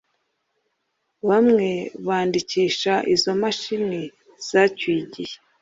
Bamwe bandikisha izo imashini zacyuye igihe